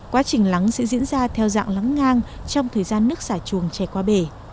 quá trình lắng sẽ diễn ra theo dạng lắng ngang trong thời gian nước xả chuồng chảy qua bể